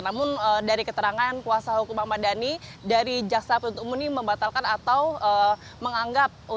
namun dari keterangan kuasa hukum ahmad dhani dari jaksa penutup umum ini membatalkan atau menganggap